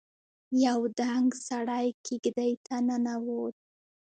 يو دنګ سړی کېږدۍ ته ننوت.